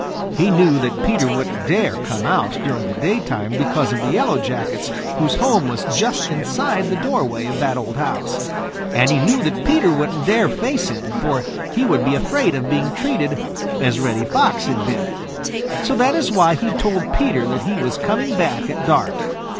He knew that Peter wouldn't dare come out during the daytime because of the Yellow Jackets whose home was just inside the doorway of that old house; and he knew that Peter wouldn't dare face him, for he would be afraid of being treated as Reddy Fox had been. So that is why he told Peter that he was coming back at dark.